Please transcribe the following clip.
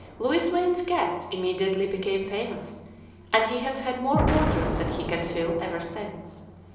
Louis Wain's cats immediately became famous, and he has had more orders than he can fill ever since.